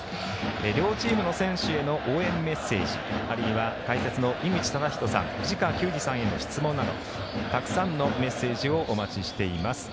両チームの選手への応援メッセージあるいは解説の井口資仁さん藤川球児さんへの質問などたくさんのメッセージをお待ちしています。